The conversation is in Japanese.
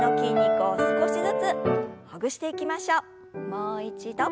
もう一度。